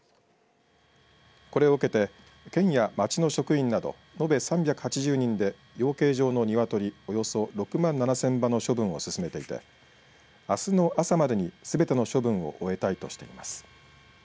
これを受けて、県や町の職員など延べ３８０人で養鶏場のニワトリおよそ６万７０００羽の処分を進めていてあすの朝までにすべての処分を終えたいとしています。